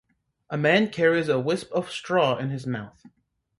A man carries a wisp of straw in his mouth.